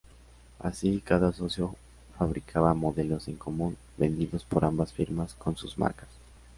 Así, cada socio fabricaba modelos en común, vendidos por ambas firmas con sus marcas.